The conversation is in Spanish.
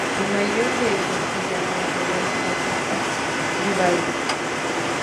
El mayor de ellos, se llamaba Giovanni Battista Vivaldi.